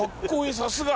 さすが。